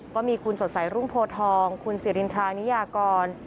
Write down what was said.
ก็มีคุณสดใสรุ่งโพทองคุณสิรินทรานิยากร